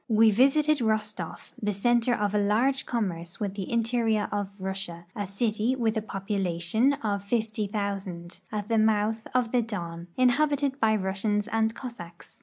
We visited Rostoflf, the center of a large commerce with the interior of Russia, a city with a population of 50,000, at the mouth of the Don, inhabited by Russians and Cossacks.